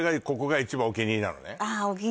ここが一番お気に入りなのね？